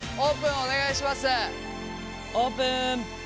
オープン。